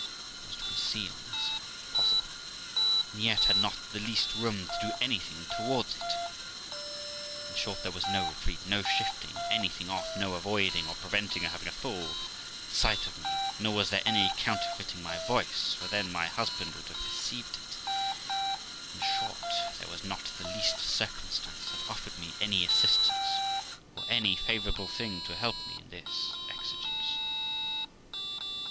I was to conceal myself, if possible, and yet had not the least room to do anything towards it. In short, there was no retreat, no shifting anything off, no avoiding or preventing her having a full sight of me, nor was there any counterfeiting my voice, for then my husband would have perceived it. In short, there was not the least circumstance that offered me any assistance, or any favourable thing to help me in this exigence.